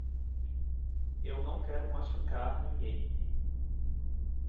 Eu não quero machucar ninguém.